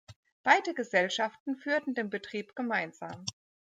Beide Gesellschaften führten den Betrieb gemeinsam.